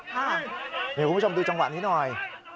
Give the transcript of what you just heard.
คุณผู้ชมดูจังหวะนี้หน่อย